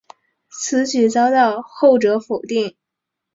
此举遭到后者否定。